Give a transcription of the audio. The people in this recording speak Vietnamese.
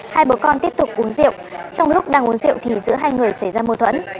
hai bố con tiếp tục uống rượu trong lúc đang uống rượu thì giữa hai người xảy ra mâu thuẫn